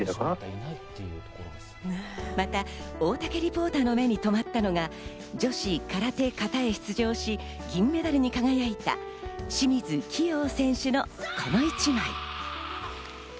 また、大竹リポーターの目にとまったのが女子空手形に出場し、銀メダルに輝いた清水希容選手のこの一枚。